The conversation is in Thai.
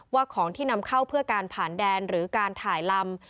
ของที่นำเข้าเพื่อการผ่านแดนหรือการถ่ายลำ